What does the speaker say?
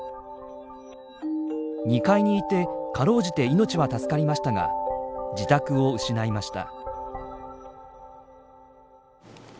２階にいてかろうじて命は助かりましたが自宅を失いました。